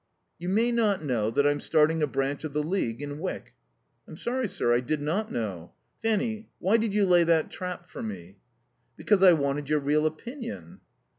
"You may not know that I'm starting a branch of the League in Wyck." "I'm sorry, sir. I did not know. Fanny, why did you lay that trap for me?" "Because I wanted your real opinion."